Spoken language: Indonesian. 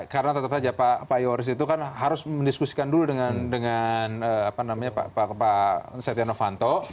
karena tetap saja pak ioris itu harus mendiskusikan dulu dengan pak setia novanto